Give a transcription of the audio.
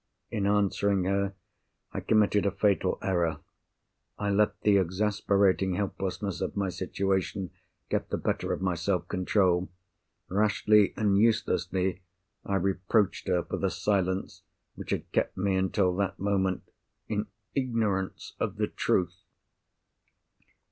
In answering her I committed a fatal error—I let the exasperating helplessness of my situation get the better of my self control. Rashly and uselessly, I reproached her for the silence which had kept me until that moment in ignorance of the truth.